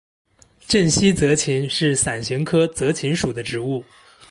滇西泽芹是伞形科泽芹属的植物。